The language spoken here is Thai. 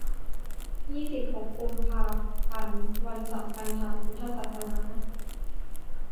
ยี่สิบหก กุมภาพันธ์ วันสำคัญทางพระพุทธศาสนา